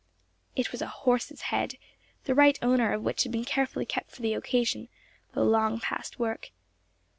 It was a horse's head, the right owner of which had been carefully kept for the occasion, though long past work.